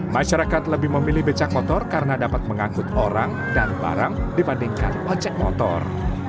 masyarakat lebih memilih becak motor karena dapat mengangkut orang dan barang dibandingkan ojek motor